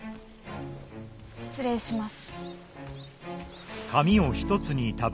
失礼します。